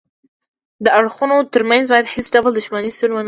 د اړخونو ترمنځ باید هیڅ ډول دښمني شتون ونلري